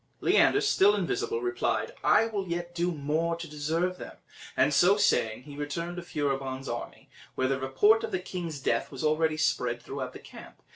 Leander, still invisible, replied, "I will yet do more to deserve them;" and so saying he returned to Furibon's army, where the report of the king's death was already spread throughout the camp.